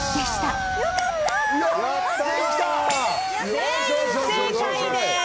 全員正解です！